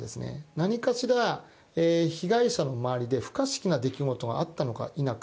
何かしら、被害者の周りで不可思議な出来事があったのか否か。